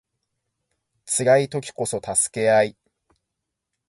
辛い時こそ助け合い